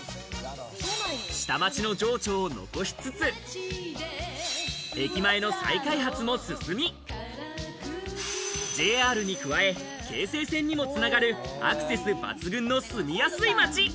下町の情緒を残しつつ、駅前の再開発も進み、ＪＲに加え、京成線にも繋がるアクセス抜群の住みやすい町。